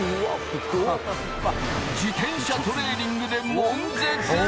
自転車トレーニングで悶絶？